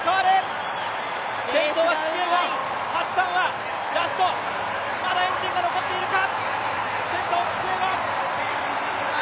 ハッサンはラスト、まだエンジンが残っているか？